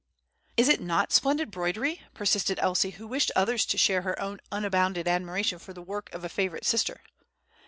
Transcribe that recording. "Is it not splendid 'broidery?" persisted Elsie, who wished others to share her own unbounded admiration for the work of a favorite sister.